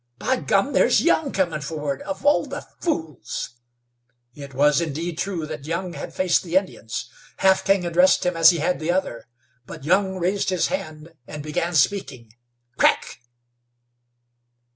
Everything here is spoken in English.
By gum! there's Young comin' forward. Of all the fools!" It was indeed true that Young had faced the Indians. Half King addressed him as he had the other; but Young raised his hand and began speaking. "Crack!"